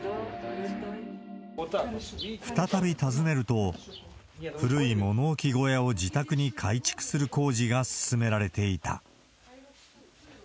再び訪ねると、古い物置小屋を自宅に改築する工事が進められていた。